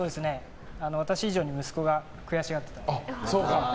私以上に息子が悔しがってました。